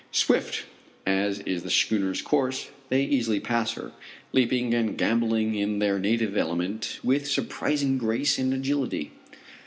Swift as is the schooner's course they easily pass her, leaping and gambolling in their native element with surprising grace and agility.